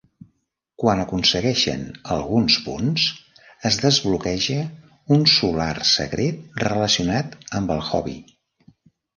Quan aconsegueixen alguns punts, es desbloqueja un solar secret relacionat amb el hobby.